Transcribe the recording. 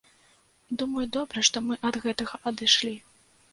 Думаю, добра, што мы ад гэтага адышлі.